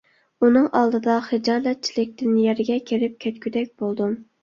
ئۇنىڭ ئالدىدا خىجالەتچىلىكتىن يەرگە كىرىپ كەتكۈدەك بولدۇم.